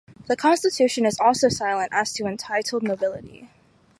The Constitution is also silent as to untitled nobility.